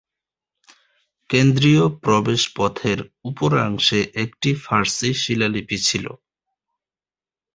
কেন্দ্রীয় প্রবেশ পথের উপরাংশে একটি ফারসি শিলালিপি ছিল।